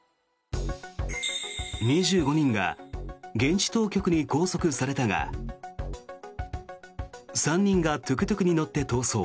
２５人が現地当局に拘束されたが３人がトゥクトゥクに乗って逃走。